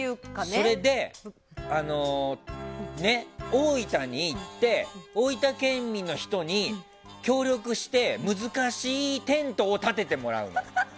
それで大分に行って大分県民の人に協力して、難しいテントを建ててもらうの。